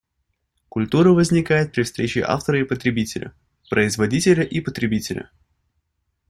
Культура возникает при встрече автора и потребителя, производителя и потребителя.